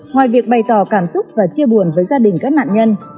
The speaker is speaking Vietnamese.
ngoài việc bày tỏ cảm xúc và chia buồn với gia đình các nạn nhân